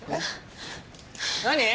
何？